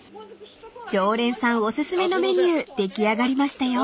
［常連さんお薦めのメニュー出来上がりましたよ］